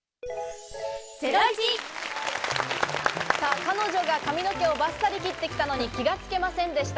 彼女が髪の毛をバッサリ切ってきたのに気がつけませんでした。